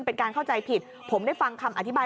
เป็นการเข้าใจผิดผมได้ฟังคำอธิบาย